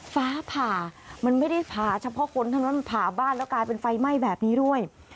ฟ้าผ่ามันไม่ได้ผ่าเฉพาะคนเท่านั้นมันผ่าบ้านแล้วกลายเป็นไฟไหม้แบบนี้ด้วย